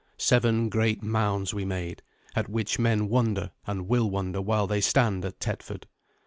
Seven great mounds we made, at which men wonder and will wonder while they stand at Tetford.